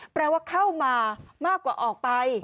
แปลว่าเข้ามามากกว่าออกไป